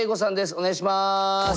お願いします。